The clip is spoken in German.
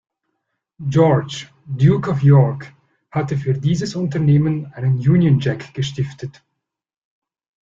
George, Duke of York, hatte für dieses Unternehmen einen Union Jack gestiftet.